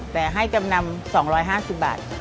แต่ให้จำนำ๒๕๐บาท